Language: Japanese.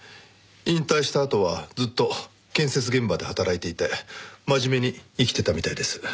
引退したあとはずっと建設現場で働いていて真面目に生きてたみたいです。